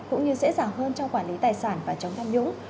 cũng như dễ dàng hơn trong quản lý tài sản và chống tham nhũng